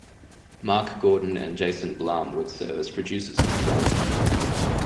Mark Gordon and Jason Blum would serve as producers on the film.